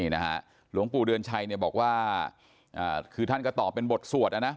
หลวงปู่เดือนชัยบอกว่าคือท่านก็ตอบเป็นบทสวดนะนะ